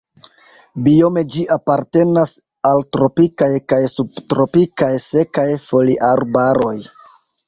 Biome ĝi apartenas al tropikaj kaj subtropikaj sekaj foliarbaroj.